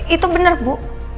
itu bener bu